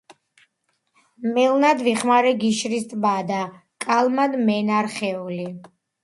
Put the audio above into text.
მელნად ვიხმარე გიშრის ტბა და კალმად მე ნა რხეული,